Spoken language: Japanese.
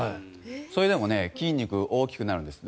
それでも筋肉が大きくなるんです。